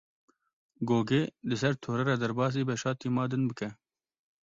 Gogê di ser torê re derbasî beşa tîma din bike.